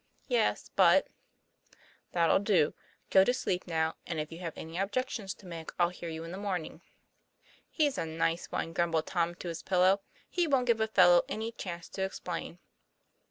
"Yes; but" "That'll do; go to sleep now; and if you have any objections to make I'll hear you in the morn ing." "He's a nice one," grumbled Tom to his pillow. 'He wont give a fellow any chance to explain."